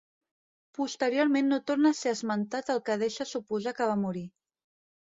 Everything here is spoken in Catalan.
Posteriorment no torna a ser esmentat el que deixa suposar que va morir.